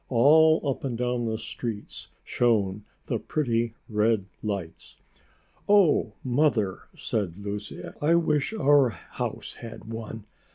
All up and down the streets shone the pretty red lights. "Oh, Mother!" said Lucy. "I wish our house had one.